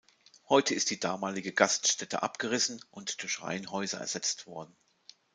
Heute ist die damalige Gaststätte abgerissen und durch Reihenhäuser ersetzt worden.